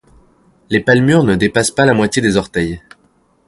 Les palmures ne dépassent pas la moitié des orteils.